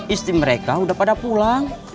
istri mereka udah pada pulang